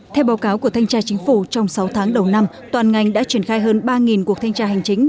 theo báo cáo của thanh tra chính phủ trong sáu tháng đầu năm toàn ngành đã triển khai hơn ba cuộc thanh tra hành chính